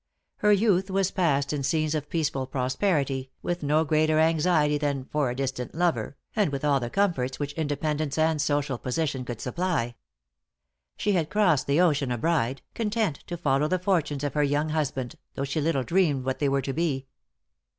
Her youth was passed in scenes of peaceful prosperity, with no greater anxiety than for a distant lover, and with all the comforts which independence and social position could supply. She had crossed the ocean a bride, content to follow the fortunes of her young husband, though she little dreamed what they were to be.